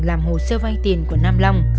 làm hồ sơ vay tiền của nam long